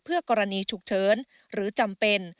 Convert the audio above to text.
เพื่อกรณีฉุกเฉินหรือจำเป็น